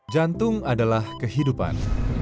jantung adalah kehidupan